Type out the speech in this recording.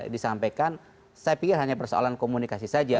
disampaikan saya pikir hanya persoalan komunikasi saja